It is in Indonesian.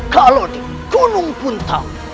kalau di gunung punta